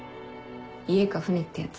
家か船ってやつ？